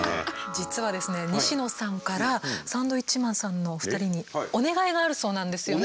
実はですね西野さんからサンドウィッチマンさんのお二人にお願いがあるそうなんですよね？